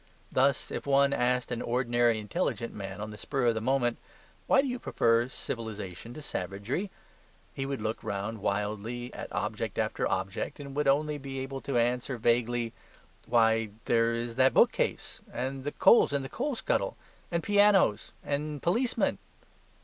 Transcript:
Thus, if one asked an ordinary intelligent man, on the spur of the moment, "Why do you prefer civilization to savagery?" he would look wildly round at object after object, and would only be able to answer vaguely, "Why, there is that bookcase ... and the coals in the coal scuttle ... and pianos ... and policemen."